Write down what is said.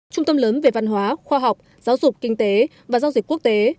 trung tâm lớn về văn hóa khoa học giáo dục kinh tế và giao dịch quốc tế